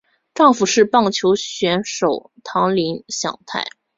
丈夫是棒球选手堂林翔太。